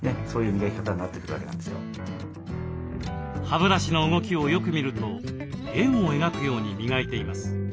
歯ブラシの動きをよく見ると円を描くように磨いています。